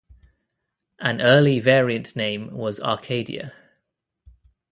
An early variant name was Acadia.